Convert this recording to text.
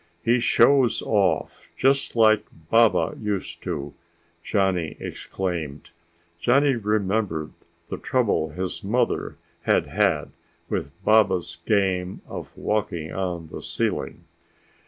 "He shows off just like Baba used to," Johnny exclaimed. Johnny remembered the trouble his mother had had with Baba's game of walking on the ceiling.